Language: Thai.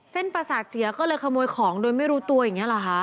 ประสาทเสียก็เลยขโมยของโดยไม่รู้ตัวอย่างนี้หรอคะ